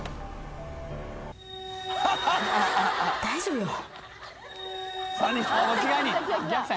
大丈夫よ。